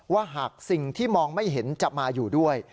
หากสิ่งที่มองไม่เห็นจะมาอยู่ด้วย